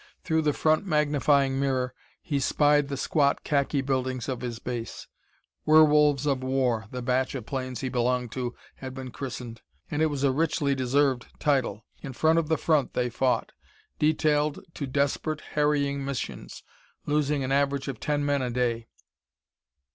Through the front magnifying mirror he spied the squat khaki buildings of his base. Werewolves of War, the batch of planes he belonged to had been christened, and it was a richly deserved title. In front of the front they fought, detailed to desperate, harrying missions, losing an average of ten men a day.